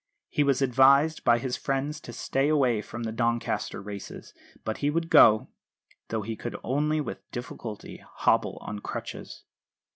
He was advised by his friends to stay away from the Doncaster races; but he would go, though he could only with difficulty hobble on crutches.